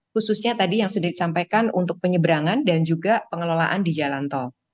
khususnya tadi yang sudah disampaikan untuk penyeberangan dan juga pengelolaan di jalan tol